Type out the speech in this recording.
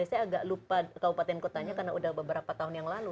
saya agak lupa kabupaten kotanya karena udah beberapa tahun yang lalu